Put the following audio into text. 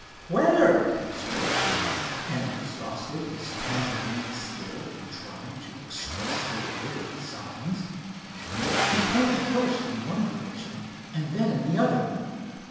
"Where?" spoke Dave, and exhausted his pantomimic skill in trying to express the word in signs. He pointed first in one direction and then in the other.